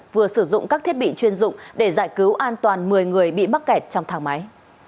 vừa sử dụng các thiết bị chuyên dụng để giải cứu an toàn một mươi người bị mắc kẹt trong thang máy